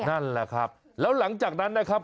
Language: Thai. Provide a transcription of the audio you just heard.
นั่นแหละครับแล้วหลังจากนั้นนะครับ